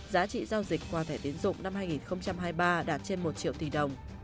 giá trị giao dịch qua thẻ tiến dụng năm hai nghìn hai mươi ba đạt trên một triệu tỷ đồng